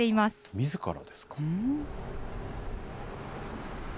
みずからですか。